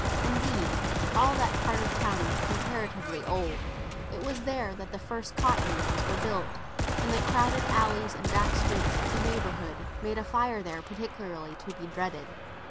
Indeed all that part of the town was comparatively old; it was there that the first cotton mills were built, and the crowded alleys and back streets of the neighbourhood made a fire there particularly to be dreaded.